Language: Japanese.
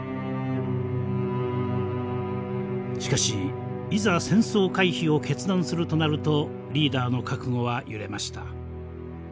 しかしいざ戦争回避を決断するとなるとリーダーの覚悟は揺れました。